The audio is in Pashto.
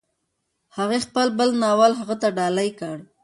هغې خپل بل ناول هغه ته ډالۍ کړ.